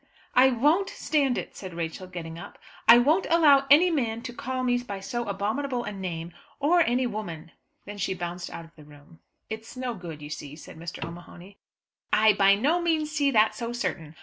"I won't stand it," said Rachel getting up. "I won't allow any man to call me by so abominable a name, or any woman." Then she bounced out of the room. "It's no good, you see," said Mr. O'Mahony. "I by no means see that so certain.